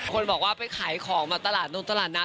คนบอกว่าไปขายของมาตลาดนู้นตลาดนัด